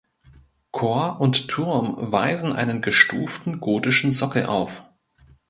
Chor und Turm weisen einen gestuften gotischen Sockel auf.